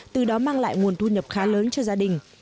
từ đó mang lại nguồn thu nhập khá lớn cho gia đình